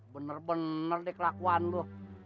bener bener deh kelakuan lo